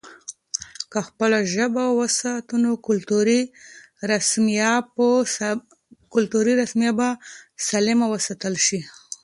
که خپله ژبه وساتو، نو کلتوري سرمايه به سالمه وساتل شي.